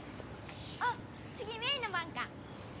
あっつぎメイの番か。